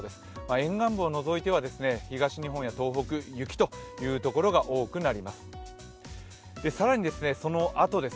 沿岸部を除いては東日本や東北、雪というところが多くなりそうです。